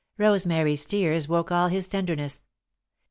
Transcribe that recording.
Rosemary's tears woke all his tenderness.